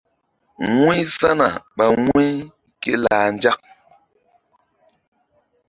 Wu̧y sana ɓa wu̧y ké lah nzak.